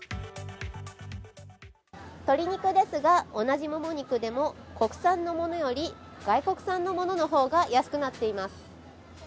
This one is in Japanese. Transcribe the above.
鶏肉ですが、同じもも肉でも国産のものより外国産のものの方が安くなっています。